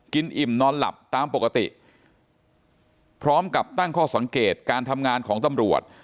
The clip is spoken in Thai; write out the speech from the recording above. อิ่มนอนหลับตามปกติพร้อมกับตั้งข้อสังเกตการทำงานของตำรวจ